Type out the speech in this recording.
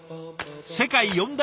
世界四大